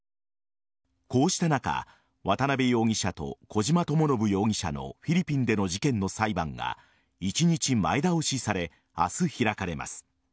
こうした中渡辺容疑者と小島智信容疑者のフィリピンでの事件の裁判が一日前倒しされ明日、開かれます。